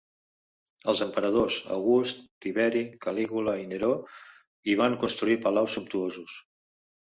Els emperadors August, Tiberi, Calígula i Neró hi van construir palaus sumptuosos.